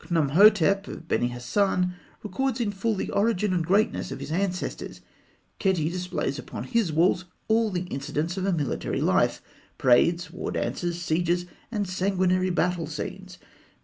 Khnûmhotep of Beni Hasan records in full the origin and greatness of his ancestors. Khetî displays upon his walls all the incidents of a military life parades, war dances, sieges, and sanguinary battle scenes.